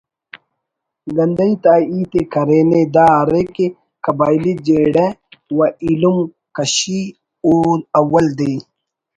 گندہی تا ہیت ءِ کرینے دا ارے کہ قبائلی جھیڑہ و ایلم کشی اول دے